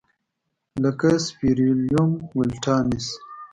لکه سپیریلوم ولټانس.